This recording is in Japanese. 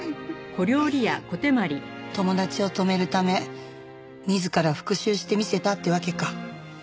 友達を止めるため自ら復讐してみせたってわけか。